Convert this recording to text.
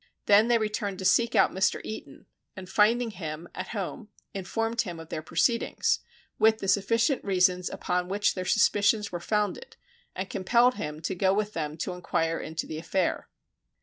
Then they returned to seek out Mr. Eaton, and finding him at home, informed him of their proceedings, with the sufficient reasons upon which their suspicions were founded, and compelled him to go with them to enquire into the affair.